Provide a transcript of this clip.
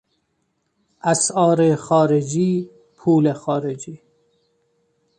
اسعار خارجی، پول خارجی